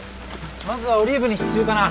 まずはオリーブに支柱かな。